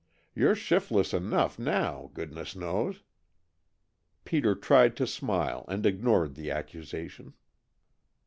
You 're shiftless enough now, goodness knows." Peter tried to smile and ignored the accusation.